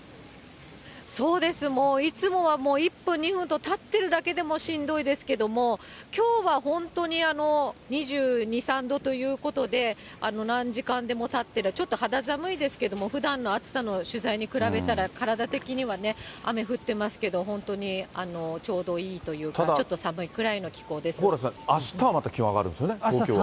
そうです、もういつもは、１分２分と、立ってるだけでもしんどいですけども、きょうは本当に、２２、３度ということで、何時間でも立ってられる、ちょっと肌寒いですけど、ふだんの暑さの取材に比べたら、体的にはね、雨降ってますけど、本当にちょうどいいというか、蓬莱さん、あしたはまた気温上がるんですよね、東京は。